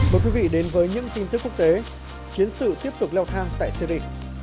mời quý vị đến với những tin tức quốc tế chiến sự tiếp tục leo thang tại syri